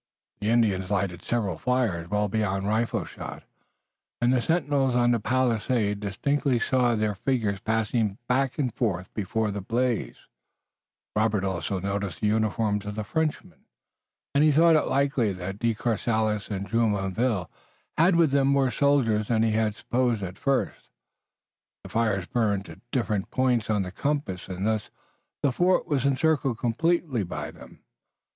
The Indians lighted several fires, well beyond rifle shot, and the sentinels on the palisade distinctly saw their figures passing back and forth before the blaze Robert also noticed the uniforms of Frenchmen, and he thought it likely that De Courcelles and Jumonville had with them more soldiers than he had supposed at first. The fires burned at different points of the compass, and thus the fort was encircled completely by them.